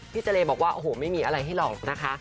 เจรบอกว่าโอ้โหไม่มีอะไรให้หรอกนะคะ